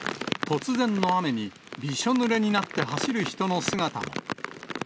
突然の雨に、びしょぬれになって走る人の姿も。